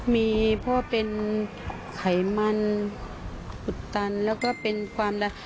มีพ่อเป็นไขมันอุดตันแล้วก็เป็นความรัก